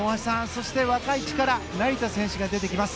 そして、若い力成田選手が出てきます。